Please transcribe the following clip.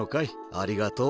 ありがとう。